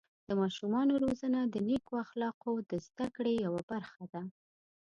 د ماشومانو روزنه د نیکو اخلاقو د زده کړې یوه برخه ده.